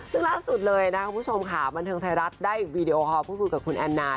ซึ่งล่าสุดเลยนะคุณผู้ชมค่ะบันเทิงไทยรัฐได้วีดีโอคอลพูดคุยกับคุณแอนนา